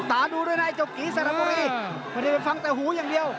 ตาดูด้วยนะไอ้โจ๊กกี้สารบุรีมันจะฟังแต่หูอย่างเดียว